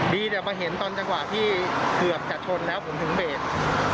ดีเดี๋ยวมาเห็นตอนจังหวะที่เกือบจะชนแล้วผมถึงเบส